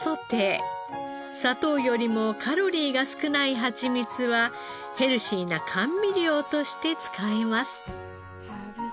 砂糖よりもカロリーが少ないハチミツはヘルシーな甘味料として使えます。